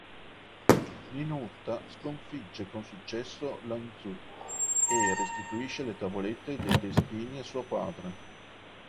Ninurta sconfigge con successo l'Anzû e restituisce la Tavolette dei Destini a suo padre.